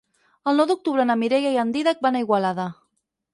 El nou d'octubre na Mireia i en Dídac van a Igualada.